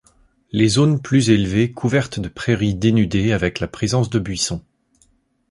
Les zones plus élevées couvertes de prairies dénudées avec la présence de buissons.